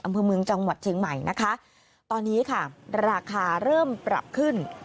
อำเภอเมืองจังหวัดเชียงใหม่นะคะตอนนี้ค่ะราคาเริ่มปรับขึ้น